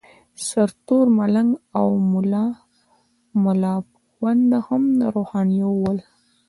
سرتور ملنګ او ملاپوونده هم روحانیون ول.